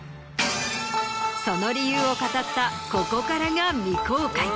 その理由を語ったここからが。